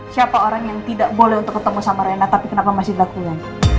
siapa orang yang tidak boleh untuk ketemu sama rena tapi kenapa masih dilakukan